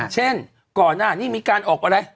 เช่นก่อนหน้านี้มีการออกอะไร